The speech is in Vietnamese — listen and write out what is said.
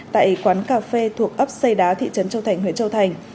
tại quán cà phê thuộc ấp xây đá thị trấn châu thành huyện châu thành